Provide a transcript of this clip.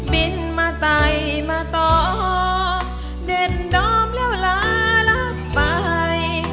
บินมาไตมาต่อเด่นดอมแล้วลารับไป